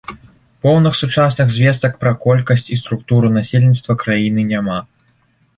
Поўных сучасных звестак пра колькасць і структуру насельніцтва краіны няма.